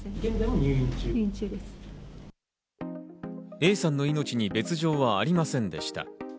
Ａさんの命に別状はありませんでした。